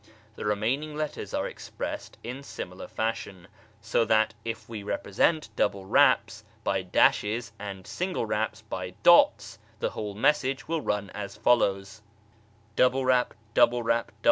The remaining letters are expressed in similar fashion, so that if we represent double raps by dashes and single raps by dots, the whole message will run as follows :——•—....